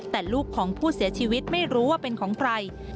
แต่ลูกของผู้เสียชีวิตไม่รู้ว่าเป็นของใคร